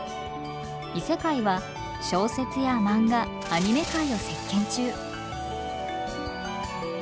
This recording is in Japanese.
異世界は小説やマンガアニメ界を席けん中。